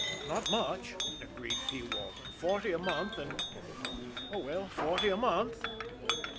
"Not much," agreed P. Walton. "Forty a month, and oh, well, forty a month."